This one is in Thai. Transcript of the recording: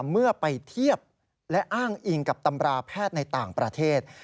เมื่อไปเทียบและอ้างอิงกับตำราแพทย์ในต่างประเทศ